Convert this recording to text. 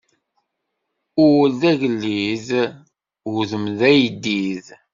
Ul d agellid, udem d ayeddid.